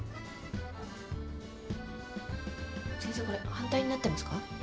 これ反対になってますか？